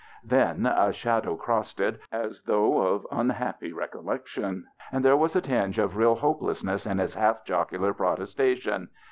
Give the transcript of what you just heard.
Then a shadow crossed it as though of unhappy recollection, and there was a tinge of real hopelessness in his half jocular protestation.